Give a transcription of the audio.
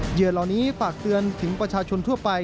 เหยื่อเหล่านี้ฝากเตือนถึงประชาชนทั่วไป